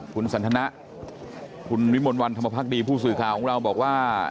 คุณสันทนะคุณวิมลวันธรรมพักดีผู้สื่อข่าวของเราบอกว่า